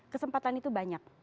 kesempatan itu banyak